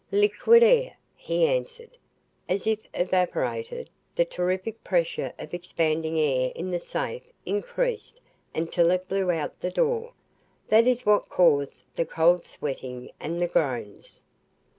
"Liquid air!" he answered. "As it evaporated, the terrific pressure of expanding air in the safe increased until it blew out the door. That is what caused the cold sweating and the groans."